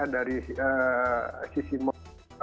dari sisi mod